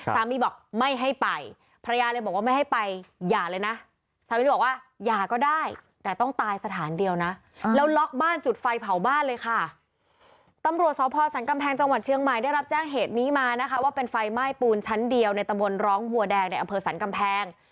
ที่หมายได้รับแจ้งเหตุนี้มานะคะว่าเป็นไฟไหม้ปูนชั้นเดียวในตะบนร้องหัวแดงในอำเภอสันกำแพง